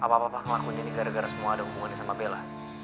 apa papa ngelakuin gara gara semua ada hubungannya sama bella